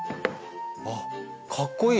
あっかっこいい！